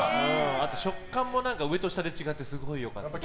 食感も上と下で違ってすごい良かった。